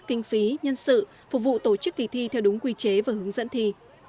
kinh phí nhân sự phục vụ tổ chức kỳ thi theo đúng quy chế và hướng dẫn thi